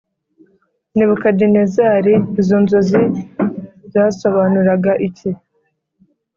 Nebukadinezari Izo nzozi zasobanuraga iki